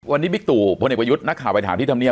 วันนี้มิกตุพลเนกประยุทธ์นักข่าวว่าอยากถามที่ทำเนี่ย